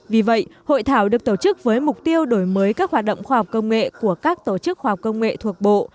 vì vậy hội thảo được tổ chức với mục tiêu đổi mới các hoạt động khoa học công nghệ của các tổ chức khoa học công nghệ thuộc bộ